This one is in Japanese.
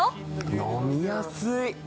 飲みやすい！